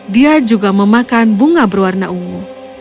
dia juga memakan bunga berwarna ungu